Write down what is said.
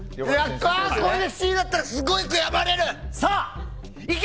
これでＣだったらすごい悔やまれる。